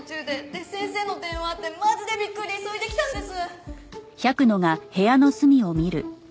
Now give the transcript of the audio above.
で先生の電話あってマジでびっくりで急いで来たんです！